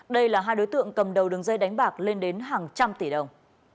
đây là hai đối tượng cầm đầu đường dây đánh bạc lên đến hàng trăm tỷ đồng